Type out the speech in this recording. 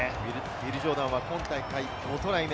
ウィル・ジョーダン、今大会５トライ目。